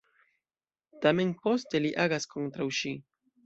Tamen poste li agas kontraŭ ŝi.